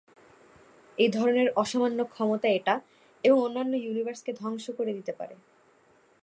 এই ধরনের অসামান্য ক্ষমতা এটা এবং অন্যান্য ইউনিভার্সকে ধ্বংস করে দিতে পারে।